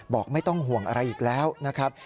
ไม่ต้องห่วงอะไรอีกแล้วนะครับ